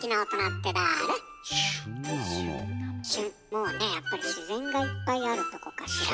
もうねやっぱり自然がいっぱいあるとこかしら？